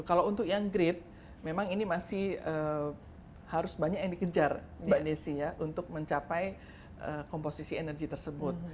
kalau untuk yang grade memang ini masih harus banyak yang dikejar mbak desi ya untuk mencapai komposisi energi tersebut